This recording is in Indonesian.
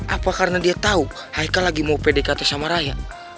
apa karena dia tau haikal lagi mau pdk sama raya